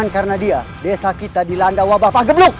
karena dia desa kita dilanda wabah pagebluk